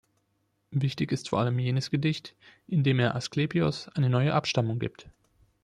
Wichtig ist vor allem jenes Gedicht, in dem er Asklepios eine neue Abstammung gibt.